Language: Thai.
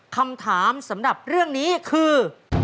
คำถามสำหรับเรื่องนี้คือ